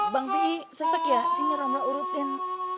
bang p i sesek ya sini romla urutin